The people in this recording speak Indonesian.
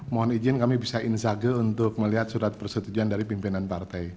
mohon izin kami bisa insage untuk melihat surat persetujuan dari pimpinan partai